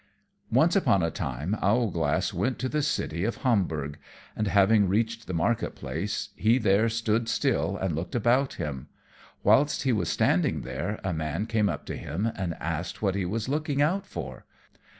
_ Once upon a time Owlglass went to the city of Hamburg, and having reached the market place he there stood still and looked about him. Whilst he was standing there a man came up to him and asked what he was looking out for.